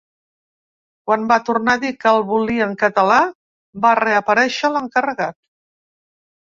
Quan va tornar a dir que el volia en català, va reaparèixer l’encarregat.